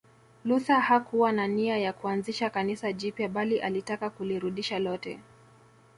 Luther hakuwa na nia ya kuanzisha Kanisa jipya bali alitaka kulirudisha lote